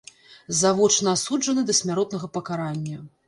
Завочна асуджаны да смяротнага пакарання.